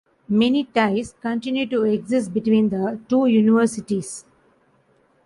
Many ties continue to exist between the two universities.